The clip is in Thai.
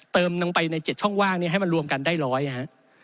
เติมลงไปใน๗ช่องว่างเนี่ยให้มันรวมกันได้ร้อยฮะ